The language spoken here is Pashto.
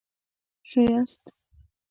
ښه یاست؟